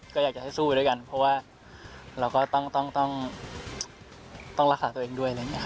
ก็อยากจะสู้ด้วยกันเพราะว่าเราก็ต้องรักษาตัวเองด้วย